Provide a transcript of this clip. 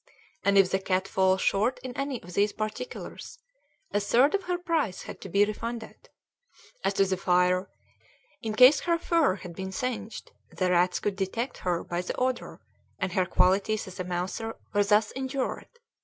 And if the cat fall short in any of these particulars, a third of her price had to be refunded. As to the fire, in case her fur had been singed the rats could detect her by the odor, and her qualities as a mouser were thus injured.